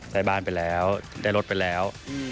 ได้บ้านไปแล้วได้รถไปแล้ว